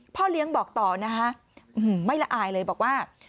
พ่อเลี้ยงบอกต่อนะคะไม่ละอายเลยบอกว่า